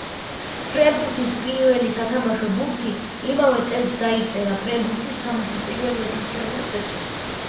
ფრენბურთის სათამაშო პირველი ბურთი. იმავე წელს დაიწერა ფრენბურთის თამაშის პირველი ოფიციალური წესები.